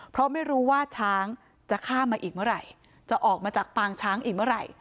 เพราะไม่รู้ว่าช้างจะข้ามมาอีกเมื่อไหร่จะออกมาจากปางช้างอีกเมื่อไหร่